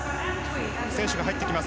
選手が入ってきます。